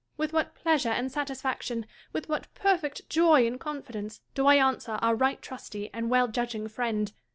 With what pleasure and satisfaction, with what perfect joy and confidence, do I answer our right trusty and weil judging friend